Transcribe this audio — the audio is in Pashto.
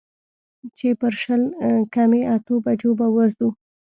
چې پر شل کمې اتو بجو به وځو.